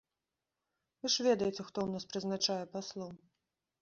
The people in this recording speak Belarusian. Вы ж ведаеце, хто ў нас прызначае паслоў!